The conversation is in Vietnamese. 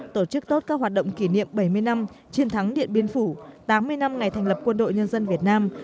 tổ chức tốt các hoạt động kỷ niệm bảy mươi năm chiến thắng điện biên phủ tám mươi năm ngày thành lập quân đội nhân dân việt nam